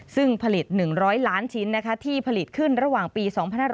ซึ่งผลิต๑๐๐ล้านชิ้นที่ผลิตขึ้นระหว่างปี๒๕๕๙